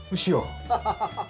アハハハハ。